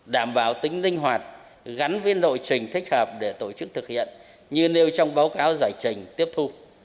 đảm bảo tính linh hoạt gắn với lộ trình thích hợp để tổ chức thực hiện như nêu trong báo cáo giải trình tiếp thu